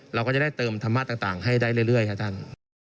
เราก็จะได้เติมธรรมะต่างให้ได้เรื่อยครับท่าน